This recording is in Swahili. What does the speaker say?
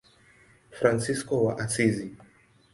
Fransisko wa Asizi.